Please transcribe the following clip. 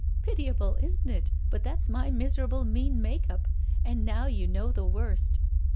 " Pitiable, isn't it, but that's my miserable mean make up, and now you know the worst."